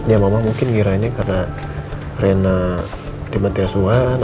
ya mama mungkin ngirainnya karena reina di menteasuhan